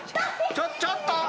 ちょちょっと！